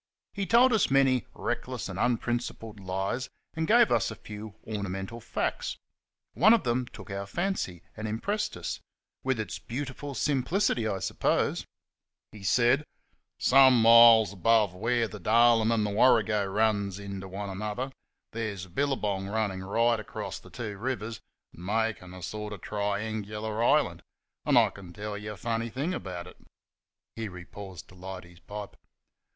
He told us many reckless and unprincipled lies, and gave us a few ornamental facts. One of them took our fancy, and impressed us with its beautiful simplicity, I suppose. He said :" Some miles above where the Darlin' and the Warrygo runs inter each other, there's a billygong runnin' right THE DAKLING RIVER 61 across between the two rivers and makin* a sort of try li angular hyland ; 'n' I can tel'yer a funny thing about it." Here he paused to light his pipe.